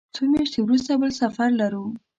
څو میاشتې وروسته بل سفر لرو.